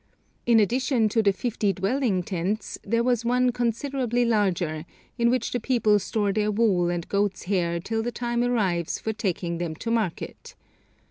In addition to the fifty dwelling tents there was one considerably larger, in which the people store their wool and goat's hair till the time arrives for taking them to market.